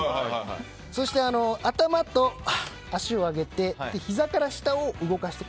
そして、頭と足を上げてひざから下を動かして。